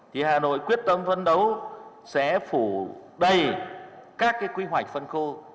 thì hà nội quyết tâm phấn đấu sẽ phủ đầy các cái quy hoạch phân khu